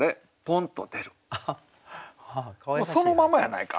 「そのままやないか！」